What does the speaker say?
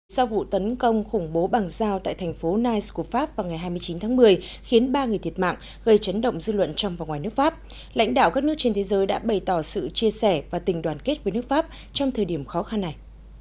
sau vụ tấn công khủng bố bằng dao tại thành phố night của pháp vào ngày hai mươi chín tháng một mươi khiến ba người thiệt mạng gây chấn động dư luận trong và ngoài nước pháp lãnh đạo các nước trên thế giới đã bày tỏ sự chia sẻ và tình đoàn kết với nước pháp trong thời điểm khó khăn này